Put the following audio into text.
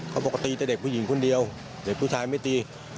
ปกติแต่เด็กผู้หญิงคนเดียวเด็กผู้ชายไม่ตี